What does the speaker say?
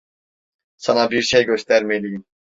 Sana bir şey göstermeliyim.